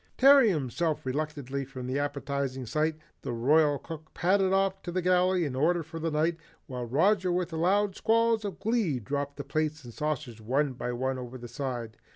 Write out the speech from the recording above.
Tearing himself reluctantly from the appetizing sight, the Royal Cook padded off to put the galley in order for the night, while Roger with loud squalls of glee dropped the plates and saucers one by one over the side.